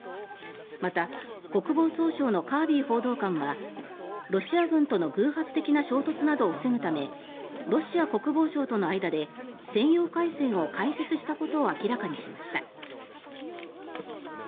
また、国防総省のカービー報道官はロシア軍との偶発的な衝突などを防ぐためロシア国防省との間で専用回線を開設したことを明らかにしました。